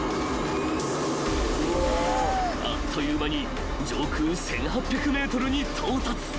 ［あっという間に上空１，８００ｍに到達］